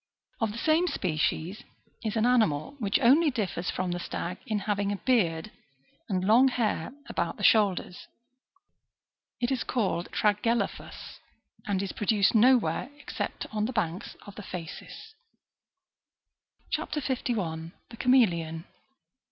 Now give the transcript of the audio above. (33.) Of the same species is an animal, which only differs from the stag in having a beard and long hair about the shoulders : it is called tragelaphus, °^ and is produced nowhere except on the banks of the Phasis." CHAP. 51. THE CHAMELEON.